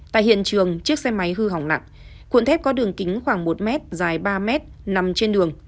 tại hiện trường chiếc xe máy hư hỏng nặng cuộn thép có đường kính khoảng một mét dài ba mét nằm trên đường